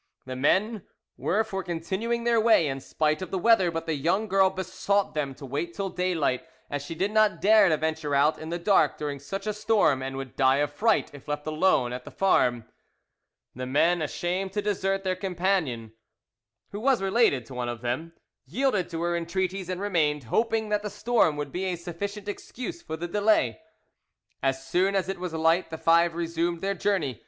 The men were for continuing their way in spite of the weather, but the young girl besought them to wait till daylight, as she did not dare to venture out in the dark during such a storm, and would die of fright if left alone at the farm. The men, ashamed to desert their companion, who was related to one of them, yielded to her entreaties and remained, hoping that the storm would be a sufficient excuse for the delay. As soon as it was light, the five resumed their journey.